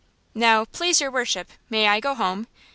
"Now, please your worship, may I go home?"